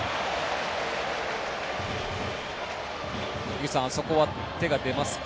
井口さん、あそこは手が出ますか。